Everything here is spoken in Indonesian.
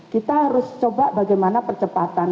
kita harus coba bagaimana percepatan